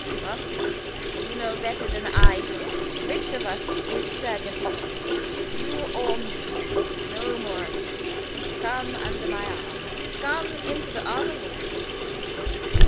"What! you know better than I do? Which of us is surgeon optic you or me? No more of this. Come under my arms! Come into the odder rooms!"